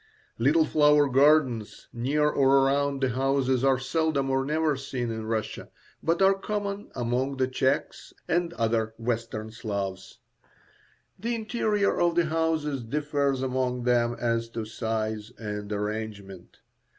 Little flower gardens near or around the houses are seldom or never seen in Russia, but are common among the Czechs and other Western Slavs. The interior of the houses differs among them as to size and arrangement.